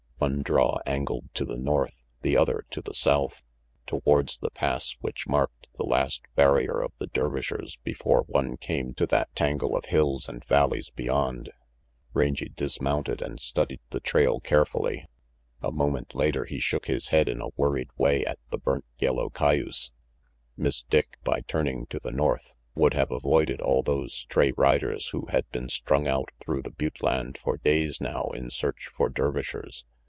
One draw angled to the north, the other to the south, towards the Pass which marked the last barrier of the Dervishers before one came to that tangle of hills and valleys beyond. Rangy dis mounted and studied the trail carefully. A moment later he shook his head in a worried way at the burnt yellow cayuse. Miss Dick, by turning to the north, would have avoided all those stray riders who had been strung out through the butte land for days now in search for Dervishers.